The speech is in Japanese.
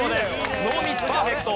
ノーミスパーフェクト。